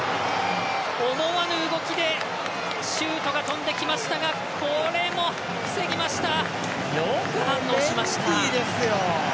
思わぬ動きでシュートが飛んできましたがこれも防ぎました。